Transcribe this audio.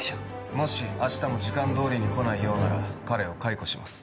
もしあしたも時間通りに来ないようなら彼を解雇します。